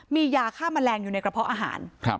มียาฆ่าแมลงอยู่ในกระเพาะอาหาร